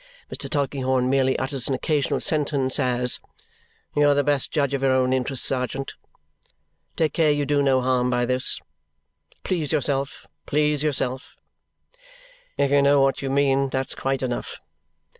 Mr. Tulkinghorn merely utters an occasional sentence, as, "You are the best judge of your own interest, sergeant." "Take care you do no harm by this." "Please yourself, please yourself." "If you know what you mean, that's quite enough."